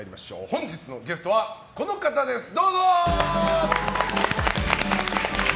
本日のゲストはこの方ですどうぞ！